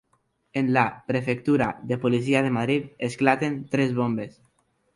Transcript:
En la prefectura de policia de Madrid esclaten tres bombes.